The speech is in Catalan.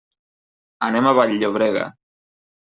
Anem a Vall-llobrega.